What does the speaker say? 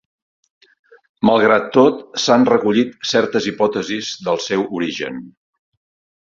Malgrat tot s'han recollit certes hipòtesis del seu origen.